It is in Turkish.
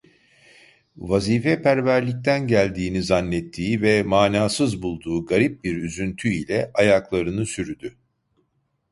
Vazifeperverlikten geldiğini zannettiği ve manasız bulduğu garip bir üzüntü ile ayaklarını sürüdü.